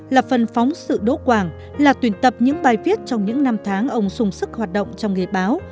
là phần phóng sự đỗ quảng là tuyển tập những bài viết trong những năm tháng ông sung sức hoạt động trong nghề báo